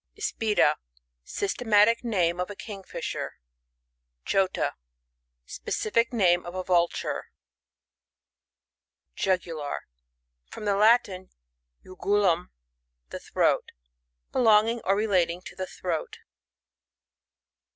IsPioA. — Systematic name of a Kio^ fisher. JoTA. — Specific iRime of a Vulture. JuaiJi^R — From the Latin, ^^tiZuTft, the throat. Belonging or relating to the throat.